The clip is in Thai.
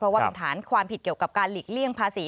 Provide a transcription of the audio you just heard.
เพราะว่าเป็นฐานความผิดเกี่ยวกับการหลีกเลี่ยงภาษี